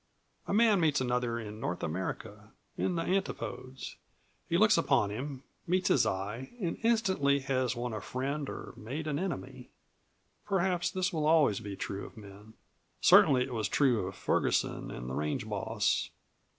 A man meets another in North America in the Antipodes. He looks upon him, meets his eye, and instantly has won a friend or made an enemy. Perhaps this will always be true of men. Certainly it was true of Ferguson and the range boss.